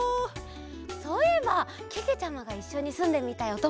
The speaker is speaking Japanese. そういえばけけちゃまがいっしょにすんでみたいおともだちは？